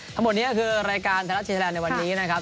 ทั้งหมดนี้ก็คือรายการไทยรัฐทีแลนดในวันนี้นะครับ